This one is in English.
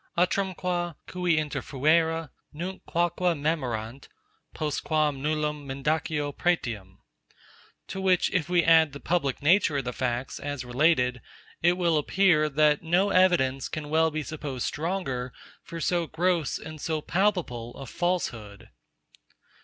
Utrumque, qui interfuere, nunc quoque memorant, postquam nullum mendacio pretium. To which if we add the public nature of the facts, as related, it will appear, that no evidence can well be supposed stronger for so gross and so palpable a falsehood.